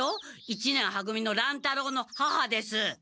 一年は組の乱太郎の母です。